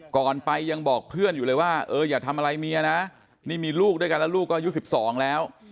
ก่อนไปยังบอกเพื่อนอยู่เลยว่าเอออย่าทำอะไรเมียนะนี่มีลูกด้วยกันแล้วลูกก็อายุ๑๒แล้ว